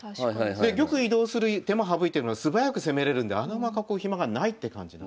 で玉移動する手間省いてるのは素早く攻めれるんで穴熊囲う暇がないって感じなんですよ。